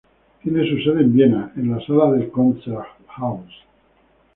Tiene su sede en Viena, en la sala del Konzerthaus.